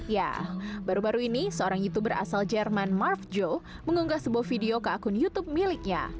ya baru baru ini seorang youtuber asal jerman marve joe mengunggah sebuah video ke akun youtube miliknya